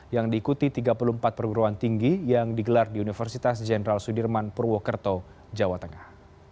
yang diikuti tiga puluh empat perguruan tinggi yang digelar di universitas jenderal sudirman purwokerto jawa tengah